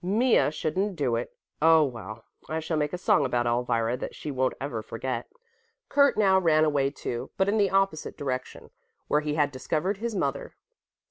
"Mea shouldn't do it. Oh, well, I shall make a song about Elvira that she won't ever forget." Kurt now ran away, too, but in the opposite direction, where he had discovered his mother.